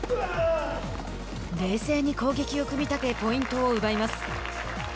冷静に攻撃を組み立てポイントを奪います。